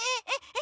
え？